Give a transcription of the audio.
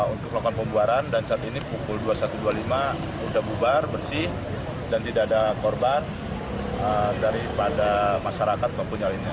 untuk melakukan pembuaran dan saat ini pukul dua puluh satu dua puluh lima sudah bubar bersih dan tidak ada korban daripada masyarakat mempunyai hal ini